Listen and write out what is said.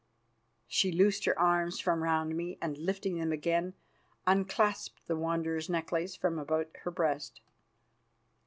She loosed her arms from round me, and, lifting them again, unclasped the Wanderer's necklace from about her breast.